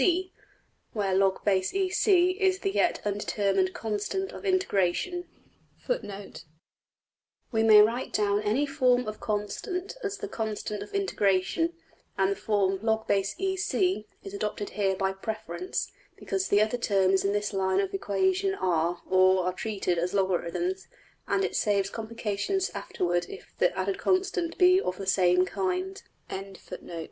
png}% where $\log_\epsilon C$ is the yet undetermined constant\footnote {We may write down any form of constant as the ``constant of integration,'' and the form $\log_\epsilon C$ is adopted here by preference, because the other terms in this line of equation are, or are treated as logarithms; and it saves complications afterward if the added constant be \emph{of the same kind}.} of integration.